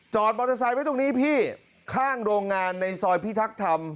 มอเตอร์ไซค์ไว้ตรงนี้พี่ข้างโรงงานในซอยพิทักษ์ธรรม